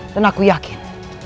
dan aku yakin